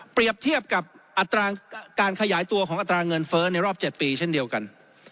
เทียบกับอัตราการขยายตัวของอัตราเงินเฟ้อในรอบ๗ปีเช่นเดียวกัน